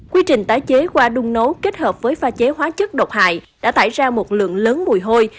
quy trình tái chế qua đung nấu kết hợp với pha chế hóa chất độc hại đã tải ra một lượng lớn mùi hôi